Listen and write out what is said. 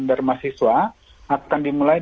darma siswa akan dimulai